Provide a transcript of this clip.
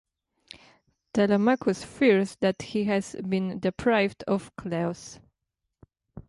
Telemachus fears that he has been deprived of "kleos".